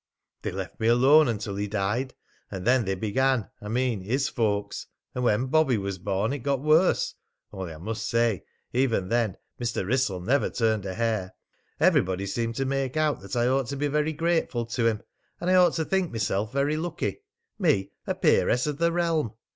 "They left me alone until he died. And then they began I mean his folks. And when Bobby was born it got worse. Only I must say even then Mr. Wrissell never turned a hair. Everybody seemed to make out that I ought to be very grateful to him, and I ought to think myself very lucky. Me a peeress of the realm!